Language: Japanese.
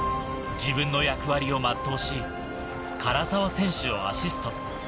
自分の役割を全うし、唐澤選手をアシスト。